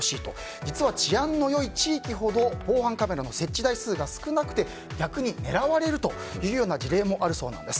実は治安の良い地域ほど防犯カメラの設置台数が少なくて逆に狙われるという事例もあるそうです。